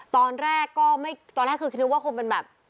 ตอนแรกก็ไม่ตอนแรกคือนึกว่าคงเป็นแบบ